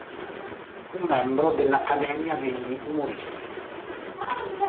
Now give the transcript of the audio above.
Fu membro dell'Accademia degli Umoristi.